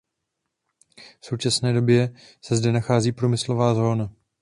V současné době se zde nachází průmyslová zóna.